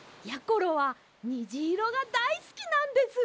ころはにじいろがだいすきなんです。